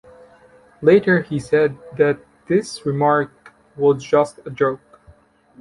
Later he said that this remark was just a joke.